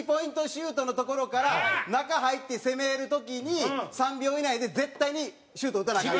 シュートのところから、中入って攻める時に３秒以内で絶対にシュート打たなアカン。